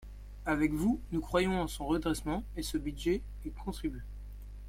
Avec vous, nous croyons en son redressement et ce budget y contribue